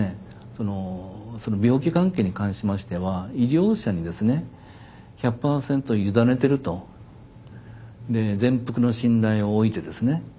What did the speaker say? その病気関係に関しましては医療者にですね１００％委ねてると全幅の信頼をおいてですね。